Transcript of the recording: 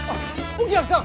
お客さん。